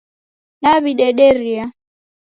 Naw'idederia